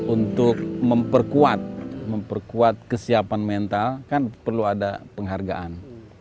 untuk memperkuat memperkuat kesiapan mental kan perlu ada penghargaan